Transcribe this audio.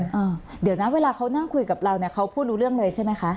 เดี๋ยวนะเวลาเขานั่งคุยกับเราเนี่ยเขาพูดรู้เรื่องเลยใช่ไหมคะ